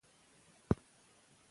زموږ کلتور باید د علم سرچینه وي.